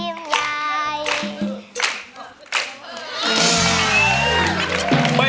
ยิ้มหน่อยยิ้มใหญ่